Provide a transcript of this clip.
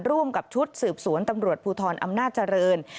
ร่วมกับชุดสืบสวนตำรวจภูทรอำนาจเจริญ